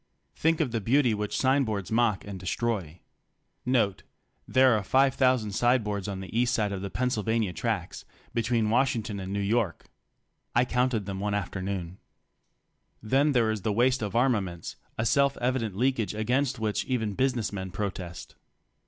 Think of the beauty which sign boards mock and destroy. (There are 5,000 sign boards on the east side of the Pennsylvania tracks between Washington and New York. I counted them one afternoon.) Then there is the waste of armaments, a self evident leak age against which even business men protest.